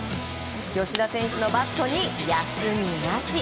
吉田選手のバットに休みなし！